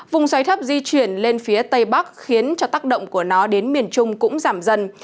vùng xoáy thấp di chuyển lên phía tây bắc khiến cho tác động của nó đến miền trung cũng giảm dần